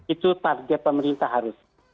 itu target pemerintah harus